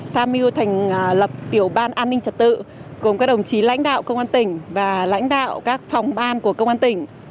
tham mưu thành lập tiểu ban an ninh trật tự gồm các đồng chí lãnh đạo công an tỉnh và lãnh đạo các phòng ban của công an tỉnh